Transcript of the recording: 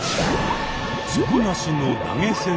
底なしの投げ銭沼。